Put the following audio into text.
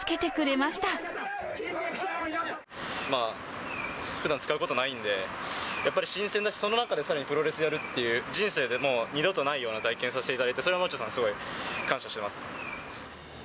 まあ、ふだん使うことないんで、やっぱり新鮮だし、その中でさらにプロレスやるっていう、人生でもう二度とないような体験をさせてもらえて、それはマチョさんにすごい感謝してます。